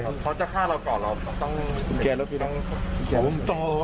เค้าจะฆ่าเราก่อนเราต้องเกลียดเรื่องที่ต้อง